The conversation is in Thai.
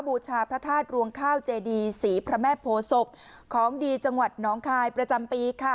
บูชาพระธาตุรวงข้าวเจดีศรีพระแม่โพศพของดีจังหวัดน้องคายประจำปีค่ะ